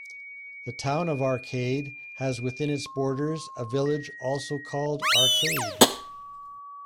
The Town of Arcade has within its borders a village also called Arcade.